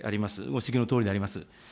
ご指摘のとおりであります。